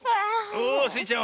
おおスイちゃん